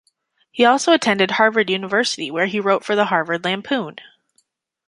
He also attended Harvard University where he wrote for the "Harvard Lampoon".